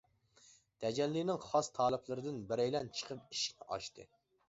تەجەللىنىڭ خاس تالىپلىرىدىن بىرەيلەن چىقىپ ئىشىكنى ئاچتى.